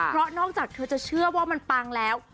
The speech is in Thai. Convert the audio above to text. เพราะนอกจากเธอจะเชื่อว่ามันปังแล้ว